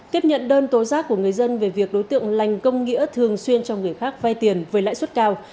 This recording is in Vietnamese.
tiếp nhận đơn tố giác của người dân về việc đối tượng lành công nghĩa thường xuyên cho người khác vay tiền với lãi suất cao